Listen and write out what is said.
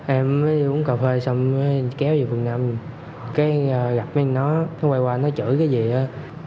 em mới đi uống cà phê xong mới kéo về phường năm gặp mấy người nó hôm qua qua nó chửi cái gì đó